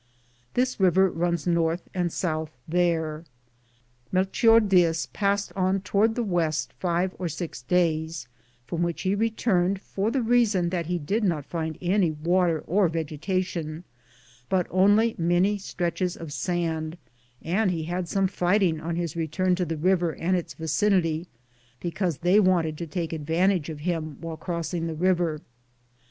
This river runs north and south there. Melchor Diaz passed on toward the west five or six days, from which he returned for the reason that he did not find any water or vegetation, but only many stretches of sand ; and he had some fighting on his return to the river and its vicinity, because they wanted to take advantage of him while crossing the river.